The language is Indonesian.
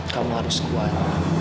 kamu harus kuat